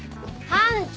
班長！